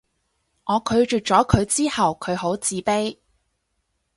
我拒絕咗佢之後佢好自卑